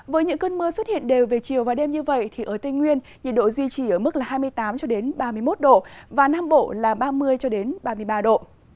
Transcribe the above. với những cơn mưa xuất hiện đều về chiều và đêm như vậy thì ở tây nguyên nhiệt độ duy trì ở mức là hai mươi tám ba mươi một độ và nam bộ là ba mươi ba mươi ba độ